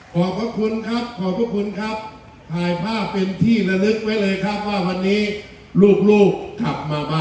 ขอบพระคุณครับขอบพระคุณครับถ่ายภาพเป็นที่ระลึกไว้เลยครับว่าวันนี้ลูกลูกขับมาบ้าน